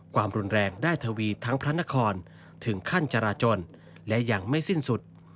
ความรุนแรงได้ทวีทั้งพระนครถึงขั้นจราจนและยังไม่สิ้นสุด